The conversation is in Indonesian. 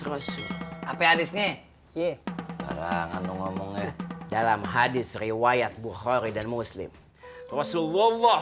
rasul apa haditsnya iya dalam hadits riwayat bukhari dan muslim rasulullah